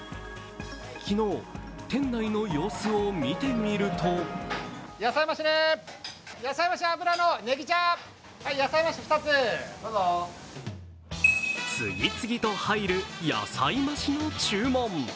昨日、店内の様子を見てみると次々と入る野菜増しの注文。